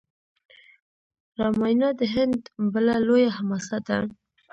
راماینا د هند بله لویه حماسه ده.